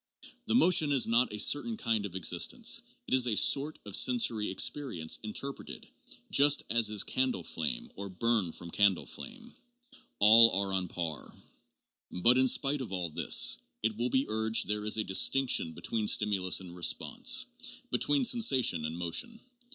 The motion is not a certain kind of existence ; it is a sort of sensory experience interpreted, just as is candle flame, or burn from candle flame. All are on a par. But, in spite of all this, it will be urged, there is a distinction between stimulus and response, between sensation and motion.